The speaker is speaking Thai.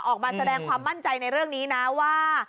ออกมาแสดงความมั่นใจในเรื่องนี้นะว่า